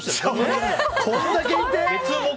こんだけいて？